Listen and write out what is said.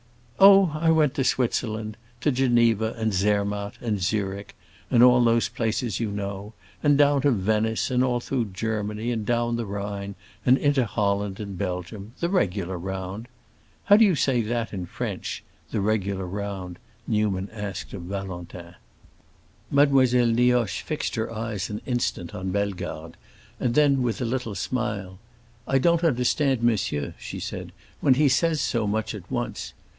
"Oh, I went to Switzerland,—to Geneva and Zermatt and Zürich and all those places you know; and down to Venice, and all through Germany, and down the Rhine, and into Holland and Belgium—the regular round. How do you say that, in French—the regular round?" Newman asked of Valentin. Mademoiselle Nioche fixed her eyes an instant on Bellegarde, and then with a little smile, "I don't understand monsieur," she said, "when he says so much at once.